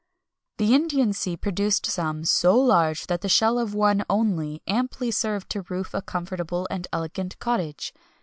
[XXI 252] The Indian Sea produced some so large, that the shell of one only amply served to roof a comfortable and elegant cottage.